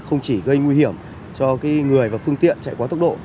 không chỉ gây nguy hiểm cho người và phương tiện chạy quá tốc độ